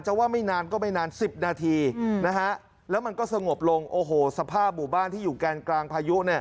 ว่าไม่นานก็ไม่นาน๑๐นาทีแล้วมันก็สงบลงโอ้โหสภาพหมู่บ้านที่อยู่แกนกลางพายุ